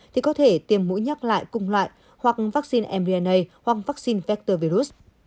thì có thể tiêm mũi nhắc lại cùng loại hoặc vaccine mdna